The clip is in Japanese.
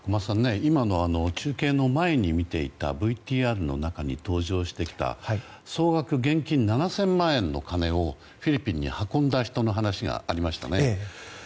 今の中継の前に見ていたＶＴＲの中に登場してきた総額現金７０００万円の金をフィリピンに運んできた人の話がありましたね。